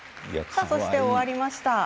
そして終わりました。